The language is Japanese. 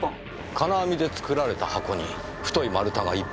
金網で作られた箱に太い丸太が１本。